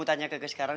terima kasih sayang